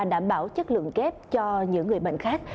đảm bảo chất lượng kép cho những người bệnh khác